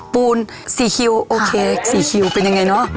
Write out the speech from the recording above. ปูน๔คิวโอเค๔คิวเป็นยังไงเนอะ